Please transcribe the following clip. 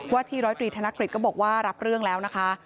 ที่ร้อยตรีธนกฤษก็บอกว่ารับเรื่องแล้วนะคะ